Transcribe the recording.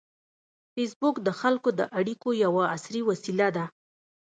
فېسبوک د خلکو د اړیکو یوه عصري وسیله ده